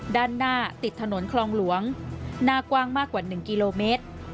ด้านหน้าติดถนนคลองหลวงหน้ากว้างมากกว่า๑กิโลเมตร